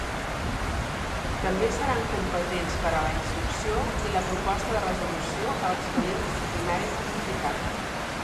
També seran competents per a la instrucció i la proposta de resolució a l'expedient disciplinari simplificat.